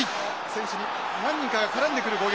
選手に何人かが絡んでくる攻撃です。